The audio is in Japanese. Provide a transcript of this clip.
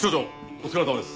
お疲れさまです！